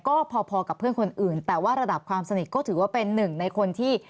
ก็พอกับเพื่อนคนอื่นแต่ว่าระดับความสนิทก็ถือว่าเป็นหนึ่งในคนที่